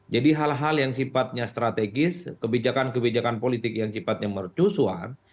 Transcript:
jadi hal hal yang sifatnya strategis kebijakan kebijakan politik yang sifatnya mercusuan